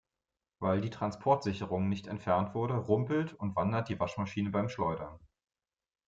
Weil die Transportsicherung nicht entfernt wurde, rumpelt und wandert die Waschmaschine beim Schleudern.